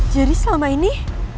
jadi selama ini